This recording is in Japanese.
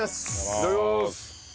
いただきます！